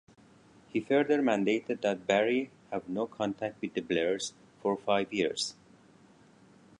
He further mandated that Barry have no contact with the Blairs for five years.